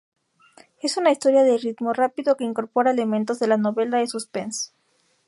Es una historia de ritmo rápido que incorpora elementos de la novela de suspense.